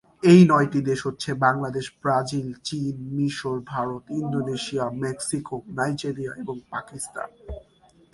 এই নয়টি দেশ হচ্ছেঃ বাংলাদেশ, ব্রাজিল, চীন, মিশর, ভারত, ইন্দোনেশিয়া, মেক্সিকো, নাইজেরিয়া এবং পাকিস্তান।